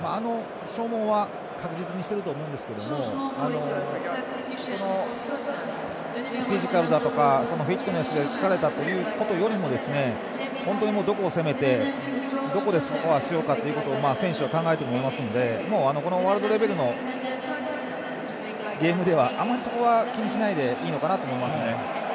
消耗は確実にしていると思いますがフィジカルだとかフィットネスで疲れたということよりも本当にどこを攻めてどこでスコアしようかということを選手は考えていると思いますのでこのレベルのゲームではあまりそこは気にしないでいいのかなと思いますね。